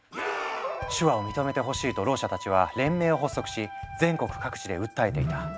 「手話を認めてほしい」とろう者たちは連盟を発足し全国各地で訴えていた。